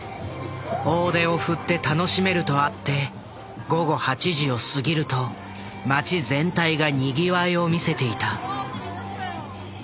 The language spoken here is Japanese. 大手を振って楽しめるとあって午後８時を過ぎると街全体がにぎわいを見せていた。